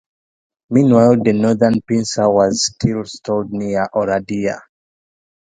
Meanwhile, the northern pincer was still stalled near Oradea.